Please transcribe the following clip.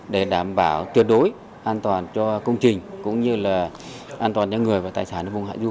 để đảm bảo tuyệt đối an toàn cho công trình cũng như là an toàn cho người và tài sản vùng hạ du